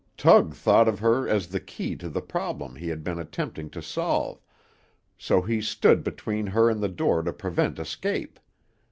Tug thought of her as the key to the problem he had been attempting to solve, so he stood between her and the door to prevent escape.